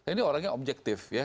ini orangnya objektif ya